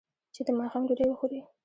چې د ماښام ډوډۍ وخوري.